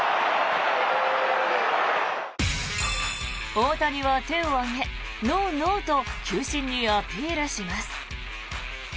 大谷は手を上げ、ノーノーと球審にアピールします。